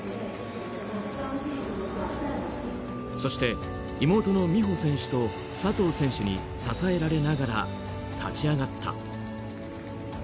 そして、妹の美帆選手と佐藤選手に支えられながら立ち上がった。